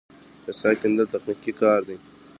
د څاه کیندل تخنیکي کار دی